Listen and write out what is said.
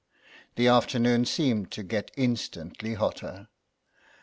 The afternoon seemed to get instantly hotter.